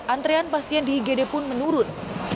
antrean pasien di igd pun menurun